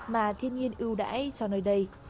mà thiên nhiên ưu đãi cho nơi đây